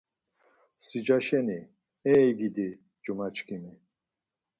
Sicaşeni, ey gidi, cumaçkimi